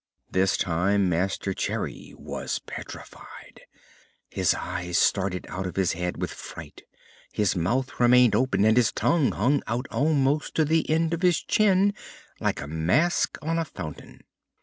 This time Master Cherry was petrified. His eyes started out of his head with fright, his mouth remained open, and his tongue hung out almost to the end of his chin, like a mask on a fountain.